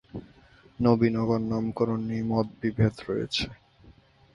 নবীনগর নামকরণ নিয়ে মত বিভেদ রয়েছে।